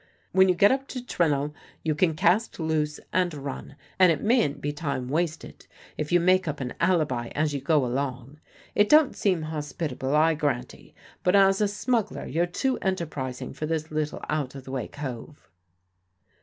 When you get up to Trenowl you can cast loose and run, and it mayn't be time wasted if you make up an alibi as you go along. It don't seem hospitable, I grant ee, but as a smuggler you're too enterprising for this little out o' the way cove."